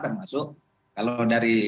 termasuk kalau dari